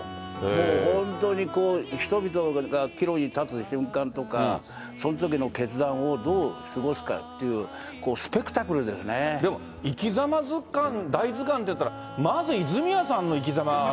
もう本当に、人々が岐路に立つ瞬間とか、そのときの決断をどう過ごすかっていう、でも、いきざま図鑑、大図鑑っていったら、まず、泉谷さんのいきざまを。